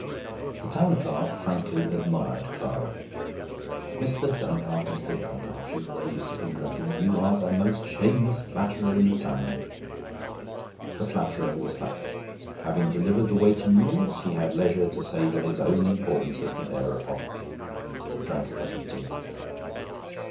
The Town Clerk frankly admired Clara. 'Mr. Duncalf Mr. Duncalf!' She raised a finger at him. 'You are the most shameless flatterer in the town.' The flatterer was flattered. Having delivered the weighty news, he had leisure to savour his own importance as the bearer of it. He drank a cup of tea.